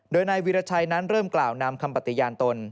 โดยนายวีรชัยนั้นเริ่มกล่าวนำคำปฏิญาณตน